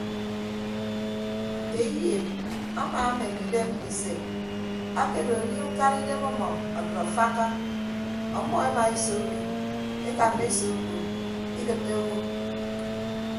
Nte iyiip amaamen idem ndise akedo anie ukaraidem ọmọ ọdʌd afakka ọmmọ emaese umi ekanna ese uko ikịtte owo.